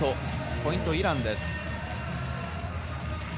ポイント、イランです。